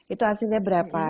itu hasilnya berapa